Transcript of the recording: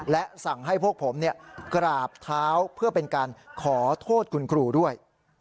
และสั่งให้พวกผมกราบเท้าเพื่อเป็นการขอโทษคุณครูด้วย